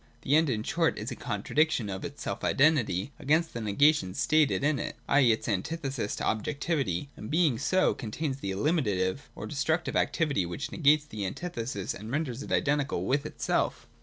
The End in short is a contradiction of its self identity against the negation stated in it, i.e. its antithesis to objectivity, and being so, contains the eliminative or destructive activity which negates the antithesis and renders it identical with itself.